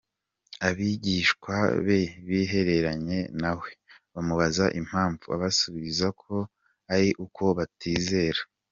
Abigishwa be bihereranye na we bamubaza impamvu, abasubiza ko ari uko batizera.